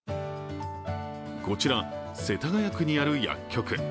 こちら、世田谷区にある薬局。